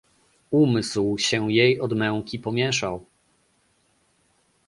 "Umysł się jej od męki pomieszał."